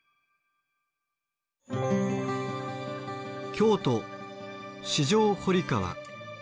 京都四条堀川。